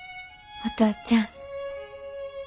お父ちゃん。